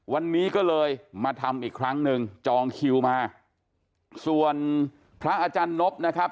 วันนี้ก็เลยมาทำอีกครั้งหนึ่งจองคิวมาส่วนพระอาจารย์นบนะครับ